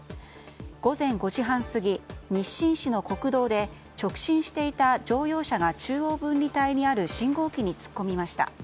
午前５時半過ぎ、日進市の国道で直進していた乗用車が中央分離帯にある信号機に突っ込みました。